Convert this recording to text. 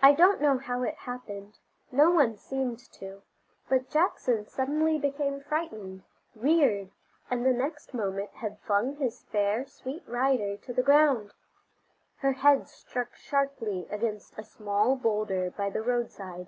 I don't know how it happened, no one seemed to, but Jackson suddenly became frightened, reared, and the next moment had flung his fair, sweet rider to the ground. Her head struck sharply against a small bowlder by the roadside.